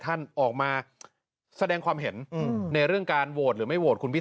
ท่านออกมาแสดงความเห็นในเรื่องการโหวตหรือไม่โหวตคุณพิษ